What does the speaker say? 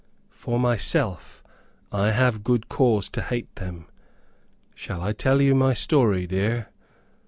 For myself I have good cause to hate them. Shall I tell you my story, dear?"